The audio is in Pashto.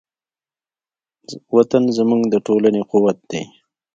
وطن زموږ د ټولنې قوت دی.